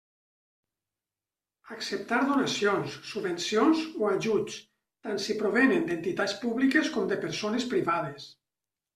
Acceptar donacions, subvencions o ajuts, tant si provenen d'entitats públiques com de persones privades.